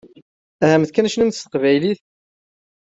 Aha-mt kan cnumt s teqbaylit!